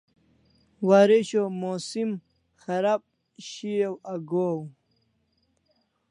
Waresho musim kharab shiau agohaw